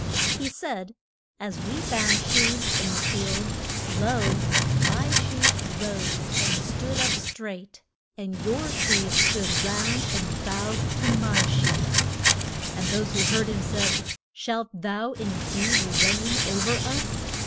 He said, As we bound sheaves in the field, lo, my sheaf rose and stood up straight. And your sheaves stood round, and bowed to my sheaf. And those who heard him said, Shalt thou in deed reign o'er us?